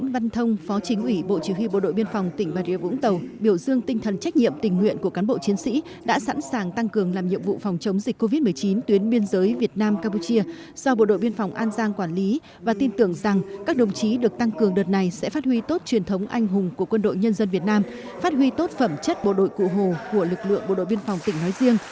bộ chỉ huy bộ đội biên phòng tỉnh bà rịa vũng tàu đã tổ chức hội nghị công bố quyết định giao nhiệm vụ cho năm mươi đồng chí là sĩ quan quân nhân chuyên nghiệp và chiến sĩ thuộc bộ đội biên phòng tỉnh an giang